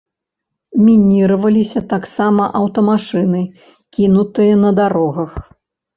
Мініраваліся таксама аўтамашыны, кінутыя на дарогах.